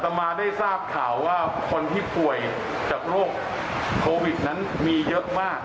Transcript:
มาได้ทราบข่าวว่าคนที่ป่วยจากโรคโควิดนั้นมีเยอะมาก